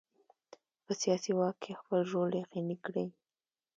په سیاسي واک کې خپل رول یقیني کړي.